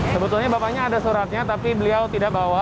sebetulnya bapaknya ada suratnya tapi beliau tidak bawa